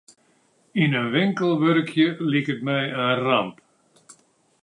Yn in winkel wurkje liket my in ramp.